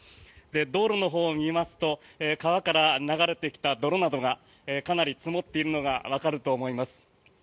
道路のほうを見ますと川から流れてきた泥などがかなり積もっているのがわかると思います。